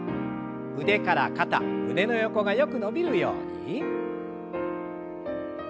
腕から肩胸の横がよく伸びるように。